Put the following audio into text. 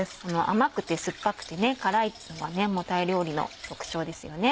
甘くて酸っぱくて辛いのはタイ料理の特徴ですよね。